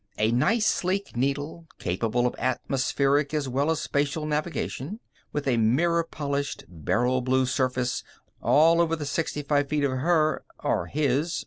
A nice, sleek, needle, capable of atmospheric as well as spatial navigation, with a mirror polished, beryl blue surface all over the sixty five feet of her or his?